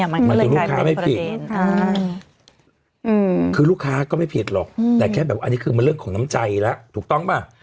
มันก็เลยกลายเป็นประเด็นค่ะคือลูกค้าก็ไม่ผิดหรอกแต่แค่แบบว่าอันนี้คือมันเรื่องของน้ำใจแล้วถูกต้องป่ะ